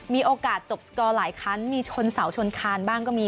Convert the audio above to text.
มีโอกาสจบสกอร์หลายคันมีชนเสาชนคานบ้างก็มี